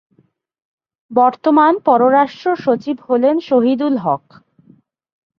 বর্তমান পররাষ্ট্র সচিব হলেন শহিদুল হক।